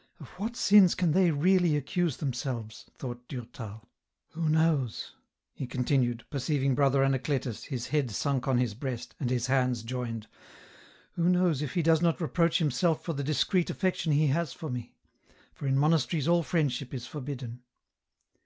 " Of what sins can they really accuse themselves ?" thought Durtal. " Who knows ?" he continued, perceiving Brother Anacletus, his head sunk on his breast, and his hands joined, " who knows if he does not reproach himself for the discreet affection he has for me ; for in monasteries all friendship is forbidden